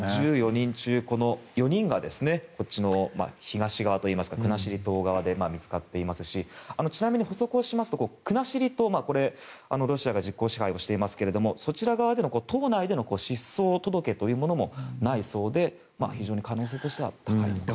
１４人中４人が東側といいますか国後島側で見つかっていますしちなみに補足をしますと国後島ロシアが実効支配していますがそちら側での島内での失踪届というものもないそうで非常に可能性として高いと。